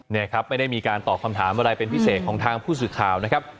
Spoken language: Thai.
นี่ครับไม่ได้มีการตอบคำถามอะไรเป็นพิเศษของทางผู้สื่อข่าวนะครับ